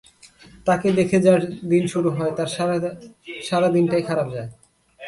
তাকে দেখে যার দিন শুরু হয়, তার সারা দিনটাই খারাপ যায়।